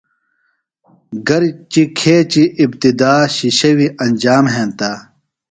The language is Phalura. گر چہ کھیچیۡ ابتدا شِشیویۡ انجام ہنتہ۔